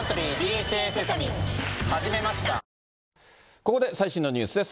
ここで最新のニュースです。